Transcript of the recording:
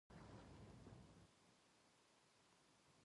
ねえねえ。